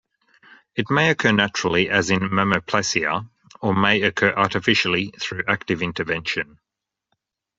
It may occur naturally as in mammoplasia or may occur artificially through active intervention.